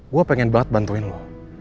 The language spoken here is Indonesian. gue pengen banget bantuin lo